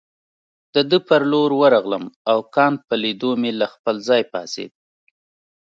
د ده پر لور ورغلم او کانت په لیدو مې له خپل ځای پاڅېد.